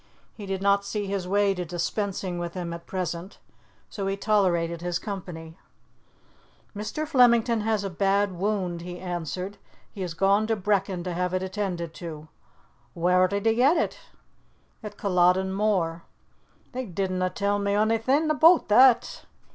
He did not see his way to dispensing with him at present, so he tolerated his company. "Mr. Flemington has a bad wound," he answered. "He has gone to Brechin to have it attended to." "Whaur did he get it?" "At Culloden Moor." "They didna tell me onything aboot that."